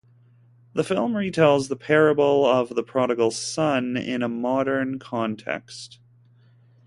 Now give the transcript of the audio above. The film retells the Parable of the Prodigal Son in a modern context.